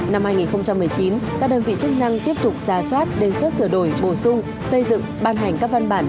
năm hai nghìn một mươi chín các đơn vị chức năng tiếp tục ra soát đề xuất sửa đổi bổ sung xây dựng ban hành các văn bản